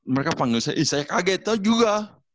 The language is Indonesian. mereka panggil saya ih saya kaget tau juga